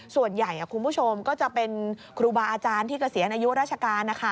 ส่วนใหญ่คุณผู้ชมก็จะเป็นครูบาอาจารย์ที่เกษียณอายุราชการนะคะ